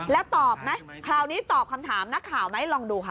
แล้วตอบไหมคราวนี้ตอบคำถามนักข่าวไหมลองดูค่ะ